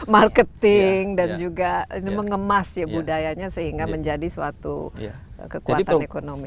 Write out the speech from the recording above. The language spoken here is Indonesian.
marketing dan juga ini mengemas ya budayanya sehingga menjadi suatu kekuatan ekonomi